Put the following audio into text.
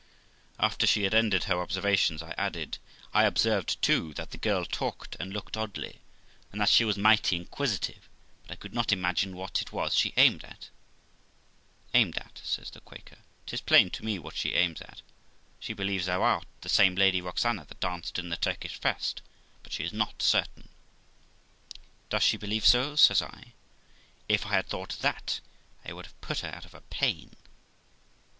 After she had ended her observations, I added: 'I observed, too, that the girl talked and looked oddly, and that she was mighty inquisitive, but I could not imagine what it was she aimed at.' 'Aimed at', says the Quaker, ' 'tis plain to me what she aims at. She believes thou art the same Lady Roxana that danced in the Turkish vest, but she is not certain.' 'Does she believe so?' says I; 'if I had thought that, I would have put her out of her pain.'